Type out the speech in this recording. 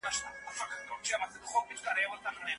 سالم ذهن جنجال نه زیاتوي.